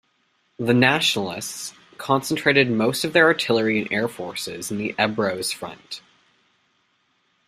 The Nationalists concentrated most of their artillery and air forces in the Ebro's Front.